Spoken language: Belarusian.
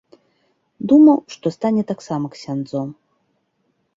Думаў, што стане таксама ксяндзом.